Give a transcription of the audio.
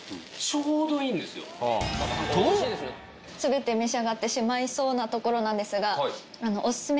ちょうどいいんですよ。と全て召し上がってしまいそうなところなんですが。